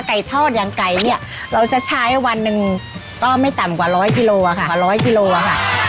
ไก่ทอดอย่างไก่เนี่ยเราจะใช้วันนึงก็ไม่ต่ำกว่า๑๐๐กิโลค่ะ